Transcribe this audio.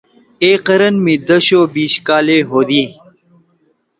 اے قرن می دش او بیِش کالے ہودی۔